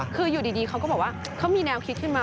คืออยู่ดีเขาก็บอกว่าเขามีแนวคิดขึ้นมา